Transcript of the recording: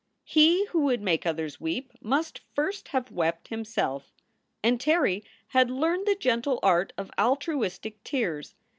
"He who would make others weep must first have wept himself." And Terry had learned the gentle art of altruistic tears.